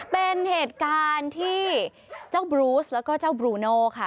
เป็นเหตุการณ์ที่เจ้าบรูสแล้วก็เจ้าบรูโนค่ะ